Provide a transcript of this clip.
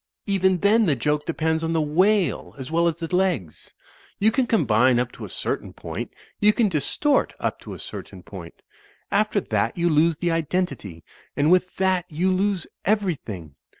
Even then the joke depends on the whale as well as the legs. You can combine up to a certain point ; you can distort up to a certain point ; after that you lose the identity; and with that you lose everything.